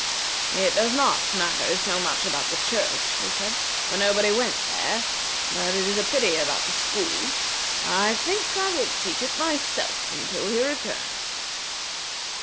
"It does not matter so much about the church," he said, "for nobody went there; but it is a pity about the school. I think I will teach it myself until he returns."